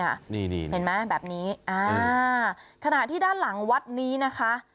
นี่เห็นไหมแบบนี้อ่าขณะที่ด้านหลังวัดนี้นะคะ